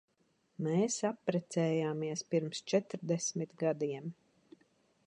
Mēs apprecējāmies pirms četrdesmit gadiem.